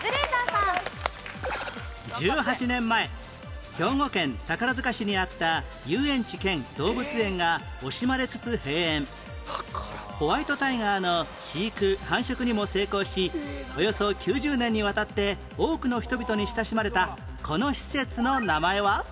１８年前兵庫県宝塚市にあったホワイトタイガーの飼育・繁殖にも成功しおよそ９０年にわたって多くの人々に親しまれたこの施設の名前は？